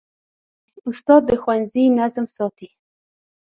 استاد د ښوونځي نظم ساتي.